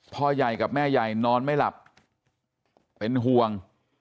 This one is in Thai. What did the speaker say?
พ่อใหญ่กับแม่ใหญ่นอนไม่หลับเป็นห่วง